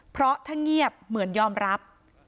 เพราะถ้าเงียบเหมือนยอมรับ